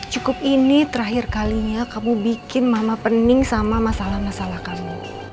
cukup ini terakhir kalinya kamu bikin mama pening sama masalah masalah kamu